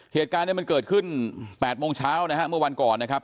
เหตุการณ์เนี่ยมันเกิดขึ้น๘โมงเช้านะฮะเมื่อวันก่อนนะครับ